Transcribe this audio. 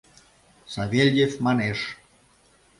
— Савельев манеш.